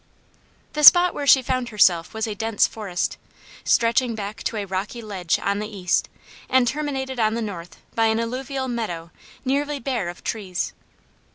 The spot where she found herself was a dense forest, stretching back to a rocky ledge on the east, and terminated on the north by an alluvial meadow nearly bare of trees.